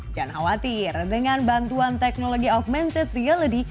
jangan khawatir dengan bantuan teknologi augmented reality